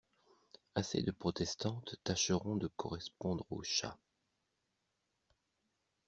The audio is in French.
Assez de protestantes tâcheront de correspondre au chat.